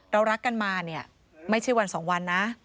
เรารักกันมาเนี่ยไม่ใช่วันสองวันนะ